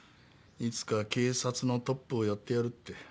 いつか警察のトップをやってやるって。